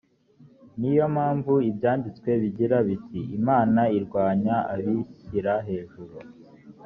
ni yo mpamvu ibyanditswe bigira biti imana irwanya abishyira hejuru